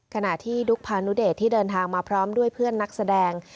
ขณะที่ดุ๊กพานุเดชที่เดินทางมาพร้อมด้วยเพื่อนนักแสดง